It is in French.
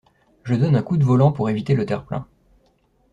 Je donne un coup de volant pour éviter le terre-plein.